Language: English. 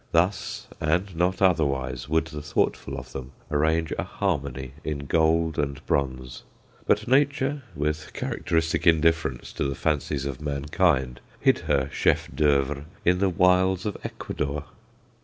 Thus, and not otherwise, would the thoughtful of them arrange a "harmony" in gold and bronze; but Nature, with characteristic indifference to the fancies of mankind, hid her chef d'oeuvre in the wilds of Ecuador.